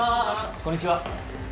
こんにちは